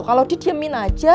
kalau didiemin aja